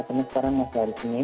tapi sekarang masih hari juni